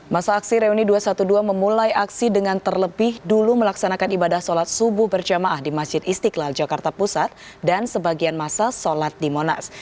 masa aksi reuni dua ratus dua belas memulai aksi dengan terlebih dulu melaksanakan ibadah sholat subuh berjamaah di masjid istiqlal jakarta pusat dan sebagian masa sholat di monas